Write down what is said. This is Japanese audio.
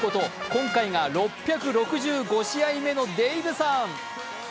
今回が６６５試合目のデイブさん。